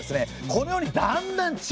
このようにだんだん小さ。